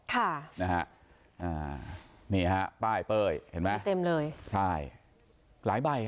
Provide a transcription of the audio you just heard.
ค่ะนะฮะอ่านี่ฮะป้ายเป้ยเห็นไหมเต็มเลยใช่หลายใบอ่ะ